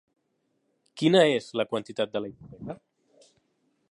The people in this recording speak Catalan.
Quina és la quantitat de la hipoteca?